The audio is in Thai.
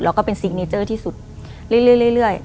แล้วก็เป็นซิกเนเจอร์ที่สุดเรื่อย